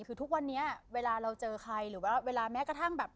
คือทุกวันนี้เวลาเราเจอใครหรือว่าเวลาแม้กระทั่งแบบ